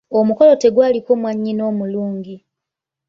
Omukolo tegwaliko mwannyina omulungi.